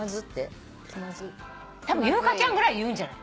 優香ちゃんぐらい言うんじゃない？